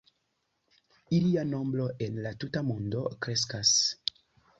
Ilia nombro en la tuta mondo kreskas.